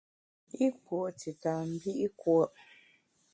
I kùo’ tita mbi’ kùo’.